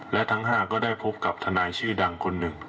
และทั้ง๕ก็ได้พบกับทนายชื่อดังคนหนึ่ง